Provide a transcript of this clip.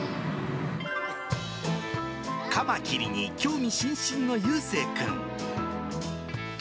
カマキリに興味津々のゆうせいくん。